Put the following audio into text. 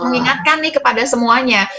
mengingatkan nih kepada semuanya